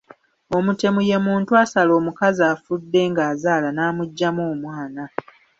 Omutemu ye muntu asala omukazi afudde ng’ azaala n’amuggyamu omwana.